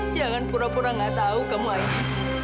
jangan pura pura gak tahu kamu